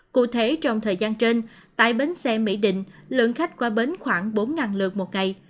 cụ thể trong thời gian trên tại bến xe mỹ đình lượng khách qua bến khoảng bốn lượt một ngày